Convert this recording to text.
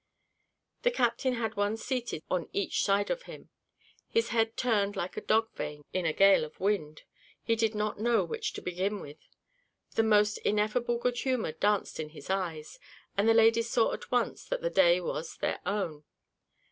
The captain had one seated on each side of him; his head turned like a dog vane in a gale of wind; he did not know which to begin with; the most ineffable good humour danced in his eyes, and the ladies saw at once that the day was their own.